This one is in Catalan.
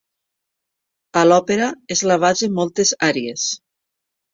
A l'òpera és la base moltes àries.